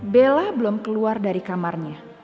bella belum keluar dari kamarnya